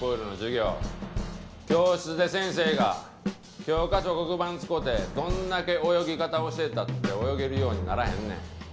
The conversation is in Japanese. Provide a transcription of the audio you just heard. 教室で先生が教科書黒板使うてどんだけ泳ぎ方教えたって泳げるようにならへんねん。